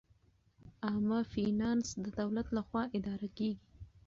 عامه فینانس د دولت لخوا اداره کیږي.